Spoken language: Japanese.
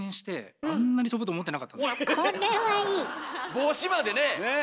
帽子までねえ！